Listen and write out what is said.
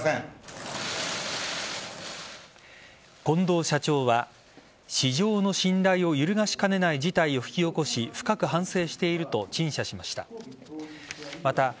近藤社長は市場の信頼を揺るがしかねない事態を引き起こし深く反省していると陳謝しました。